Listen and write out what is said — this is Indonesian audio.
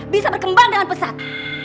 bisa berkembang dengan pesat